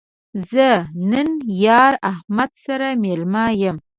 زه نن یار احمد سره مېلمه یم